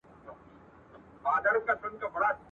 د زړو کفن کښانو د نیکونو په دعا یو ..